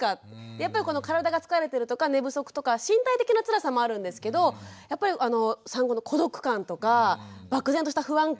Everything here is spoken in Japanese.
やっぱり体が疲れてるとか寝不足とか身体的なつらさもあるんですけどやっぱり産後の孤独感とか漠然とした不安感。